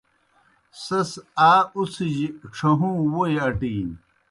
سیْس آ اُڅِھجیْ ڇھہُوں ووئی اٹِینیْ۔